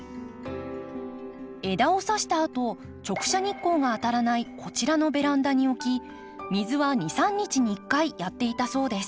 枝をさしたあと直射日光が当たらないこちらのベランダに置き水は２３日に１回やっていたそうです。